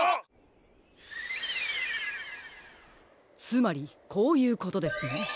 つまりこういうことですね。